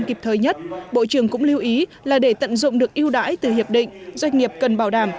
kịp thời nhất bộ trưởng cũng lưu ý là để tận dụng được yêu đãi từ hiệp định doanh nghiệp cần bảo đảm